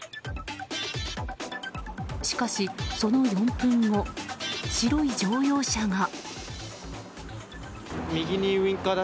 しかし、その４分後白い乗用車が！